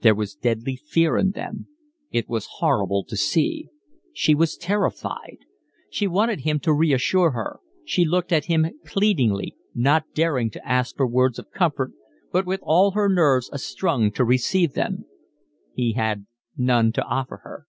There was deadly fear in them. It was horrible to see. She was terrified. She wanted him to reassure her; she looked at him pleadingly, not daring to ask for words of comfort but with all her nerves astrung to receive them: he had none to offer her.